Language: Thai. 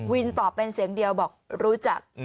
ตอบเป็นเสียงเดียวบอกรู้จัก